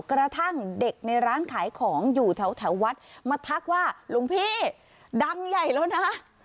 กระทั่งเด็กในร้านขายของอยู่แถววัดมาทักว่าหลวงพี่ดังใหญ่แล้วนะ